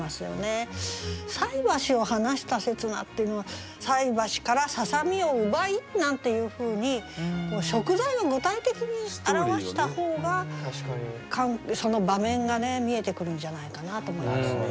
「菜箸を離した刹那」っていうのは「菜箸からささみを奪い」なんていうふうに食材を具体的に表した方がその場面が見えてくるんじゃないかなと思いますね。